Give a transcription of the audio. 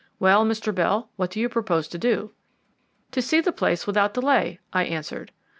Well, Mr. Bell, what do you propose to do?" "To see the place without delay," I answered.